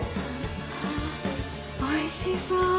わあおいしそう。